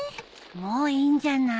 もういいんじゃない？